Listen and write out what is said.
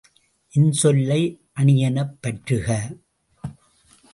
இன்சொல்லை அணியெனப் பற்றுக!